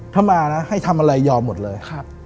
ถ้ามานะให้ทำอะไรยอมหมดเลย